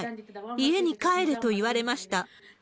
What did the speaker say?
家に帰れと言われました。